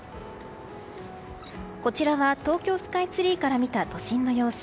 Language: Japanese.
こちらは東京スカイツリーから見た都心の様子。